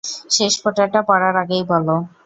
শেষ ফোটাটা পড়ার আগেই বলো।